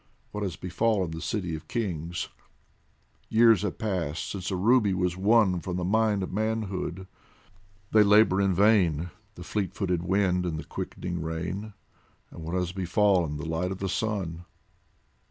What has befallen the city of kings ? Years have passed since a ruby was won From the mine of manhood ; they labour in vain, The fleet footed wind and the quickening rain, And what has befallen the light of the sun